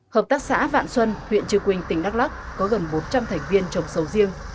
hợp tác xã vạn xuân huyện trừ quỳnh tỉnh đắk lắk có gần bốn trăm linh thành viên trồng sầu riêng